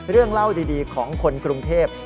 เรื่องเล่าดีของคนกรุงเทพ